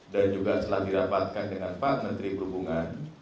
dan juga setelah dirapatkan dengan pak menteri perhubungan